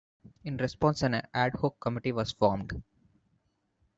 In response, an ad hoc committee was formed.